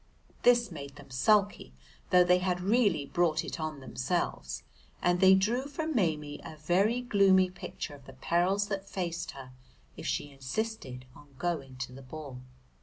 This made them sulky though they had really brought it on themselves, and they drew for Maimie a very gloomy picture of the perils that faced her if she insisted on going to the ball.